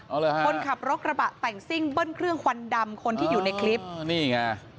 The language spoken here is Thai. เอาเลยฮะคนขับรถกระบะแต่งซิ่งเบิ้ลเครื่องควันดำคนที่อยู่ในคลิปนี่ไง